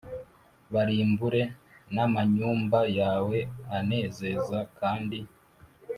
barimbure n amanyumba yawe anezeza kandi